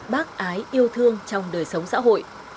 bác ái yêu thương trong đời sống xã hội